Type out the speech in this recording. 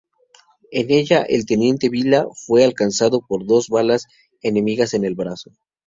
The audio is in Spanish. En ella, el teniente Vila fue alcanzado por dos balas enemigas en el brazo.